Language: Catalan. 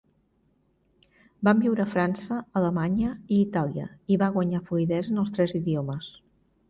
Van viure a França, Alemanya i Itàlia i va guanyar fluïdesa en els tres idiomes.